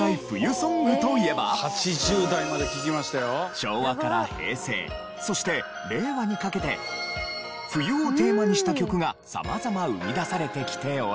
昭和から平成そして令和にかけて冬をテーマにした曲が様々生み出されてきており。